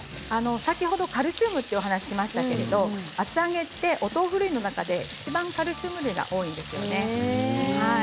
先ほどカルシウムというお話をしましたけれども厚揚げはお豆腐類の中でいちばんカルシウムが多いんですよね。